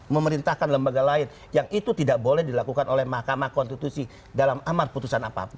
memerintahkan lembaga lain yang itu tidak boleh dilakukan oleh mahkamah konstitusi dalam amar putusan apapun